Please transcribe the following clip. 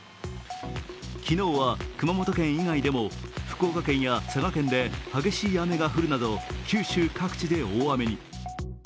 昨日は、熊本県以外でも福岡県や、佐賀県で、激しい雨が降るなど、九州各地で大雨に。